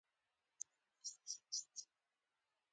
ما د خبرو په جریان کې ټوټې ټوټې کړ.